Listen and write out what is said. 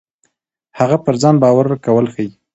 هغه پر ځان باور کول ښيي.